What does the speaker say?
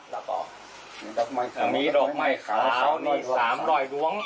แล้วก็มีดอกไม้ขาวนี่สามรอยดวง